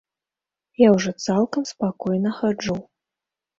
Я ўжо цалкам спакойна хаджу.